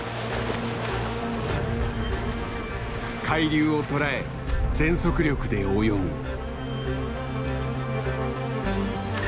海流をとらえ全速力で泳ぐ。